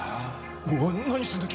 おい何してるんだ！？